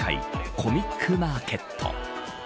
コミックマーケット。